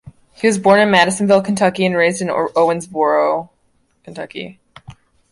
He was born in Madisonville, Kentucky, and raised in Owensboro, Kentucky.